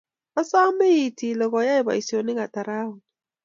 Asome iit ile koiyai boisionik ata rauni